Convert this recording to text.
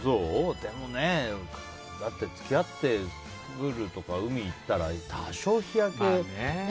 でもね、だって付き合ってプールとか海に行ったら多少、日焼けね。